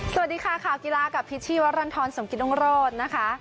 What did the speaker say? สวัสดีค่ะข่าวกีฬากับพิชชีวรรณฑรสมกิตรุงโรธนะคะ